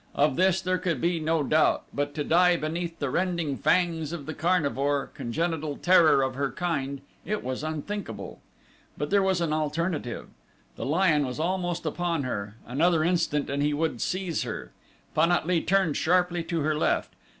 Of this there could be no doubt, but to die beneath the rending fangs of the carnivore, congenital terror of her kind it was unthinkable. But there was an alternative. The lion was almost upon her another instant and he would seize her. Pan at lee turned sharply to her left.